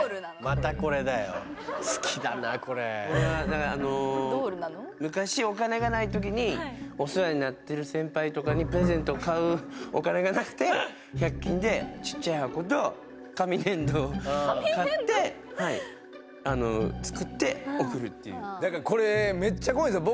またこれだよ好きだなこれこれはだからあの昔お金がないときにお世話になっている先輩とかにプレゼントを買うお金がなくて１００均でちっちゃい箱と紙粘土を買って作って贈るっていうこれめっちゃ怖いですよ